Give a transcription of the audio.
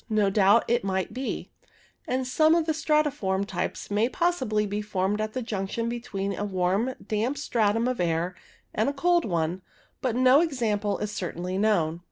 No doubt it might be, and some of the stratiform types may possibly be formed at the junction between a warm damp stratum of air and a cold one, but no example is certainly known.